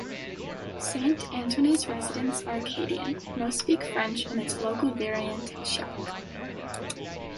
Saint-Antoine's residents are Acadian; most speak French in its local variant, Chiac.